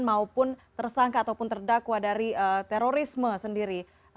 maupun tersangka ataupun terdakwa dari terorisme sendiri